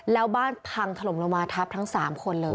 แล้วบ้านพังถล่มลงมาทับทั้ง๓คนเลย